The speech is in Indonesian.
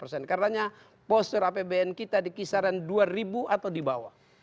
katanya postur apbn kita di kisaran dua ribu atau di bawah